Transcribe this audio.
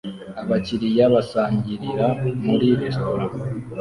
Abakiriya basangirira muri resitora